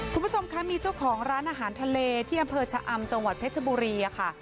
คุณผู้ชมคะมีเจ้าของร้านอาหารทะเลที่อำเภอชะอำจังหวัดเพชรบุรีค่ะ